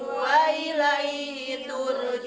saat kau manufacturers